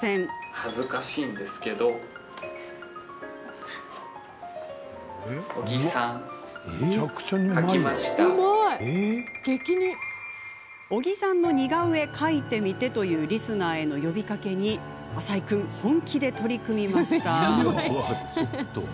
恥ずかしいんですけど小木さんの似顔絵、描いてみてというリスナーへの呼びかけに浅井君、本気で取り組みました。